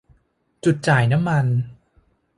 จุดจ่ายน้ำมัน